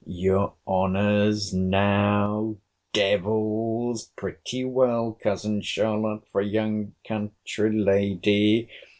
Your honours, now, devils!— Pretty well, Cousin Charlotte, for a young country lady!